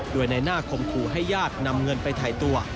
โดยในหน้าคมขู่ให้ญาตินำเงินไปถ่ายตัว